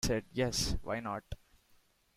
He said, "Yes, why not?